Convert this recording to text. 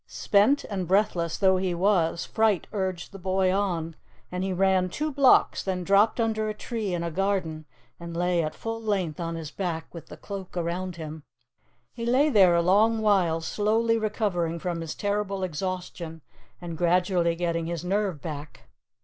Spent and breathless though he was, fright urged the boy on, and he ran two blocks, then dropped under a tree in a garden and lay at full length on his back with the Cloak around him. He lay there a long while, slowly recovering from his terrible exhaustion and gradually getting his nerve back.